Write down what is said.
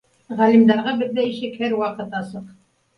Ға- лимдарға беҙҙә ишек һәр ваҡыт асыҡ